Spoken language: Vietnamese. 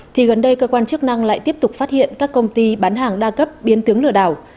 thì gần đây cơ quan chức năng lại tiếp tục phát hiện các công ty bán hàng đa cấp biến tướng lừa đảo